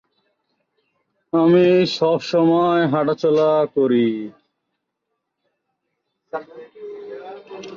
তার বাবা-মা উভয়ই মার্কিন বিমান বাহিনীতে ছিলেন এবং তার দুই ছোট ভাই রয়েছে।